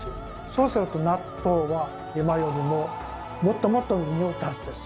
そうすると納豆は今よりももっともっと臭ったはずです。